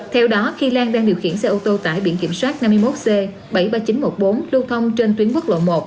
theo đó khi lan đang điều khiển xe ô tô tải biển kiểm soát năm mươi một c bảy mươi ba nghìn chín trăm một mươi bốn lưu thông trên tuyến quốc lộ một